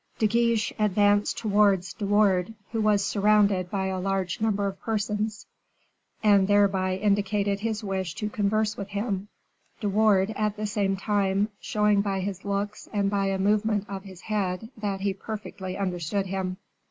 De Guiche advanced towards De Wardes, who was surrounded by a large number of persons, and thereby indicated his wish to converse with him; De Wardes, at the same time, showing by his looks and by a movement of his head that he perfectly understood him.